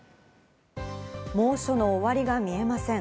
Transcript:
猛暑の終わりが見えません。